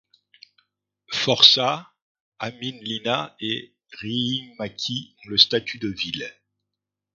Forssa, Hämeenlinna et Riihimäki ont le statut de villes.